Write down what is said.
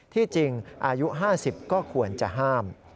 ที่จริงอายุ๕๐ก็ควรจะห้าม